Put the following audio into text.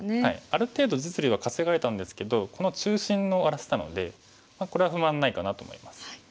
ある程度実利は稼がれたんですけどこの中心を荒らせたのでこれは不満ないかなと思います。